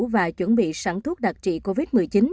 và chuẩn bị sẵn thuốc đặc trị covid một mươi chín